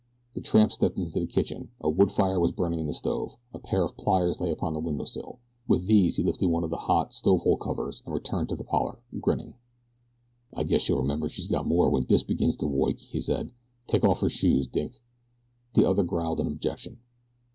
The tramp stepped into the kitchen. A wood fire was burning in the stove. A pair of pliers lay upon the window sill. With these he lifted one of the hot stove hole covers and returned to the parlor, grinning. "I guess she'll remember she's got more wen dis begins to woik," he said. "Take off her shoes, Dink." The other growled an objection.